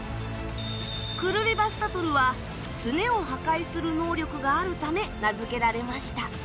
クルリヴァスタトルはスネを破壊する能力があるため名付けられました。